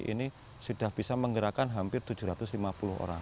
ini sudah bisa menggerakkan hampir tujuh ratus lima puluh orang